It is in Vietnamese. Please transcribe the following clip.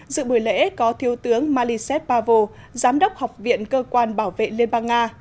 dự buổi lễ có thiếu tướng malise pavel giám đốc học viện cơ quan bảo vệ liên bang nga